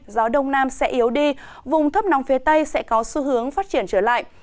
gió đông nam sẽ yếu đi vùng thấp nóng phía tây sẽ có xu hướng phát triển trở lại